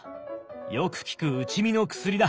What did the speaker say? よく効く打ち身の薬だ。